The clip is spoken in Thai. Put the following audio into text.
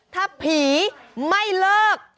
ถ้าผีไม่เลิก